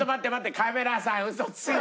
カメラさんウソついて。